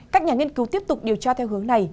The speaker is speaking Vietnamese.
các nhà nghiên cứu tiếp tục điều tra theo hướng này